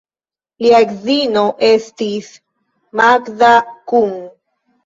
Lia edzino estis Magda Kun.